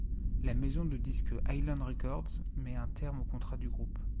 La maison de disques Island Records met un terme au contrat du groupe.